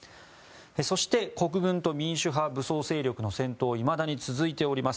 そして国軍と民主派武装勢力の戦闘はいまだに続いております。